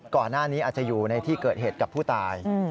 ก่อนหน้านี้อาจจะอยู่ในที่เกิดเหตุกับผู้ตาย